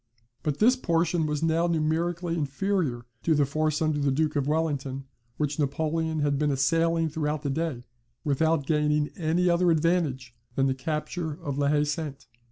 But this portion was now numerically inferior to the force under the Duke of Wellington, which Napoleon had been assailing throughout the day, without gaining any other advantage than the capture of La Haye Sainte.